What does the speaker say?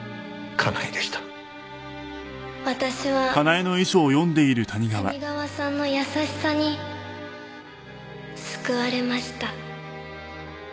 「私は谷川さんの優しさに救われました」